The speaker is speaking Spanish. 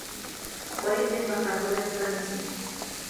Fue embajador en Francia.